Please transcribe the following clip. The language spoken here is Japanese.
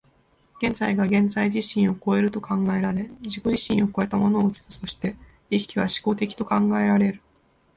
現在が現在自身を越えると考えられ、自己自身を越えたものを映すとして、意識は志向的と考えられる。